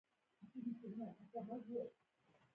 سهار د ژوند د ارام ساه ده.